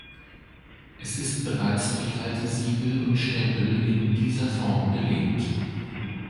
Es ist bereits durch alte Siegel und Stempel in dieser Form belegt.